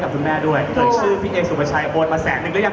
เขาเรียนเสียตอนนี้เขาก็พูดเรียกป๊าป๊าได้ป๊าป๊ามาไหมคะ